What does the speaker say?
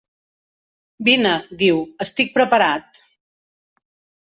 "Vine", diu; "estic preparat".